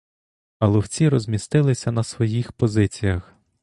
А ловці розмістилися на своїх позиціях.